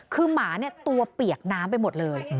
คือหมาเนี่ยตัวเปียกน้ำไปหมดเลย